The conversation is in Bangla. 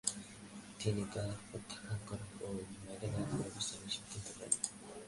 তিনি তা প্রত্যাখ্যান করেন ও ম্যানাগুয়ায় অবস্থানের সিদ্ধান্ত নেন।